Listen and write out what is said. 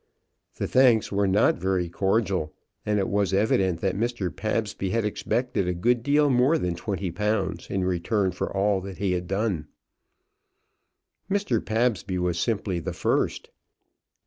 The thanks were not very cordial, and it was evident that Mr. Pabsby had expected a good deal more than twenty pounds in return for all that he had done. Mr. Pabsby was simply the first.